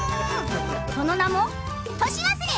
その名も「年忘れ！